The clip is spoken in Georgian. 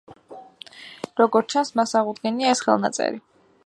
როგორც ჩანს, მას აღუდგენია ეს ხელნაწერი.